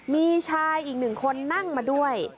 มีชายอีกหนึ่งคนนั่งมาด้วย